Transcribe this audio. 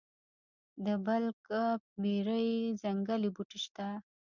د بلک بیري ځنګلي بوټي شته؟